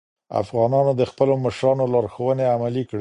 افغانانو د خپلو مشرانو لارښوونې عملي کړې.